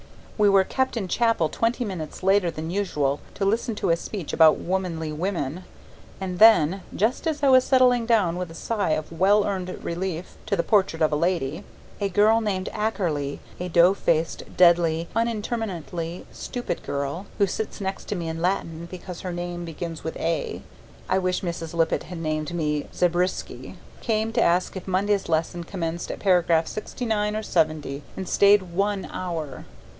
We were kept in chapel twenty minutes later than usual to listen to a speech about womanly women. And then just as I was settling down with a sigh of well earned relief to The Portrait of a Lady, a girl named Ackerly, a dough faced, deadly, unintermittently stupid girl, who sits next to me in Latin because her name begins with A (I wish Mrs. Lippett had named me Zabriski), came to ask if Monday's lesson commenced at paragraph 69 or 70, and stayed ONE HOUR.